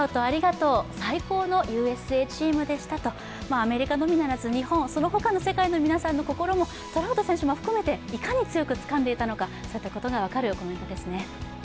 アメリカのみならず日本、その他の世界の皆さんの心もトラウト選手も含めていかに強くつかんでいたのかよく分かるコメントですね。